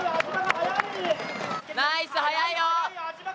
ナイス、速いよ！